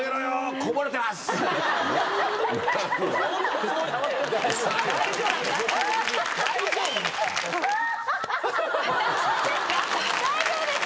こぼれてます。